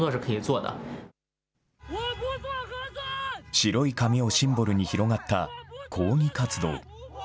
白い紙をシンボルに広がった抗議活動。